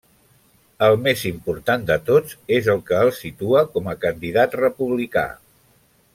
El més important de tots, és el que el situa com a candidat republicà.